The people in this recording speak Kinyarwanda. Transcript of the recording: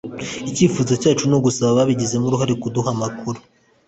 Icyifuzo cyacu ni ugusaba ababigizemo uruhare kuduha amakuru